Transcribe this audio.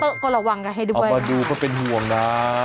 เราก็ระวังให้ดูก่อนนะค่ะเอามาดูก็เป็นห่วงนะ